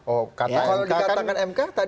oh karena kalau dikatakan mk tadi